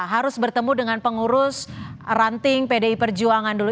harus bertemu dengan pengurus ranting pdi perjuangan dulu